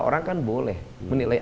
orang kan boleh menilai